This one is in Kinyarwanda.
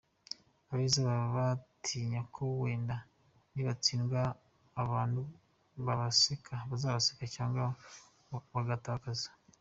Abeza baba batinya ko wenda nibastindwa abantu bazabaseka cyangwa bagatakaza.